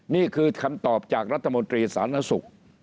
นี่คือคำตอบจากรัฐมนตรีสาธารณสุข